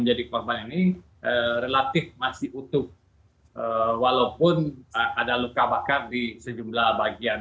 menjadi korban ini relatif masih utuh walaupun ada luka bakar di sejumlah bagian